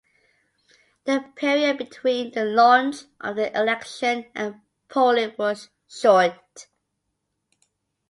The period between the launch of the election and polling was short.